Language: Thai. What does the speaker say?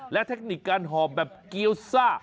และเทคนิคการหอบแบบเกี้ยวซ่า